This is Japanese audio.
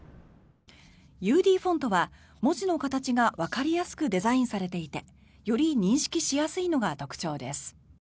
ＵＤフォントは文字の形がわかりやすくデザインされていてより認識しやすいのが特徴です。